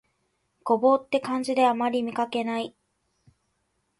牛蒡って漢字であまり見かけない